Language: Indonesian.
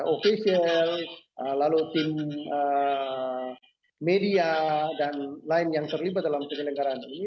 ofisial lalu tim media dan lain yang terlibat dalam penyelenggaraan ini